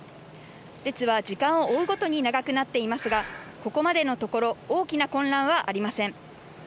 列は時間を追うごとに長くなっていますが、ここまでのところ大きな混乱はありません。